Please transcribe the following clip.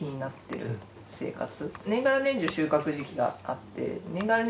年がら年中収穫時期があって年がら年